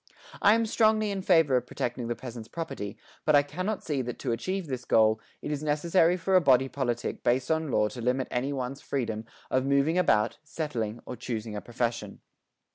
I am strongly in favour of protecting the peasant's property, but I cannot see that to achieve this goal, it is necessary for a body politic based on law to limit any one's freedom of moving about, settling or choosing a profession.